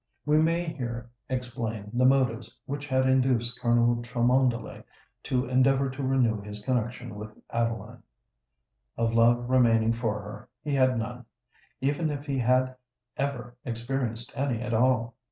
We may here explain the motives which had induced Colonel Cholmondeley to endeavour to renew his connexion with Adeline. Of love remaining for her he had none—even if he had ever experienced any at all.